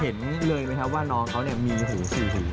เห็นเลยไหมครับว่าน้องเขามีหูสี่หู